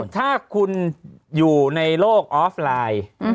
ถ้าคุณอยู่ในโลกออฟไลน์